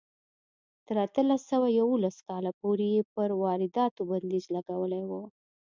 تر اتلس سوه یوولس کاله پورې یې پر وارداتو بندیز لګولی و.